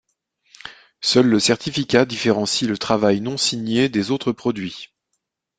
Seul le certificat différencie le travail non signé des autres produits.